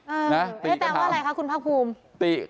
ไม่ได้แปลว่าอะไรคะคุณภาคภูมิ